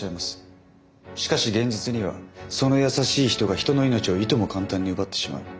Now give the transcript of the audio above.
しかし現実にはその優しい人が人の命をいとも簡単に奪ってしまう。